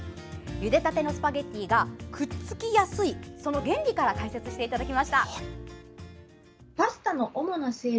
ゆでたてのスパゲッティがくっつきやすい原理から解説してもらいました。